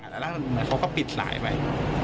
เขาก็ปิดหลายมัน